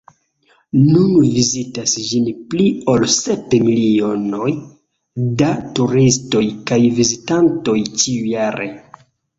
Nun vizitas ĝin pli ol sep milionoj da turistoj kaj vizitantoj ĉiujare.